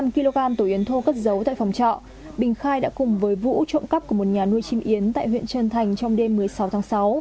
năm kg tổ yến thô cất giấu tại phòng trọ bình khai đã cùng với vũ trộm cắp của một nhà nuôi chim yến tại huyện trân thành trong đêm một mươi sáu tháng sáu